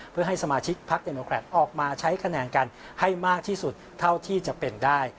เพื่อให้สมาชิกพักเดโนแครตออกมาใช้คะแนนกันให้มากที่สุดเท่าที่จะเป็นได้